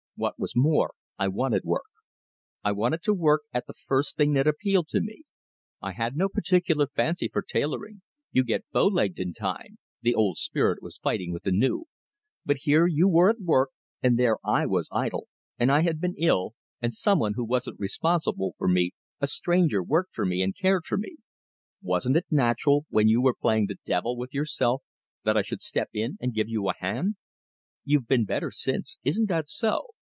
What was more, I wanted work. I wanted to work at the first thing that appealed to me. I had no particular fancy for tailoring you get bowlegged in time!" the old spirit was fighting with the new "but here you were at work, and there I was idle, and I had been ill, and some one who wasn't responsible for me a stranger worked for me and cared for me. Wasn't it natural, when you were playing the devil with yourself, that I should step in and give you a hand? You've been better since isn't that so?"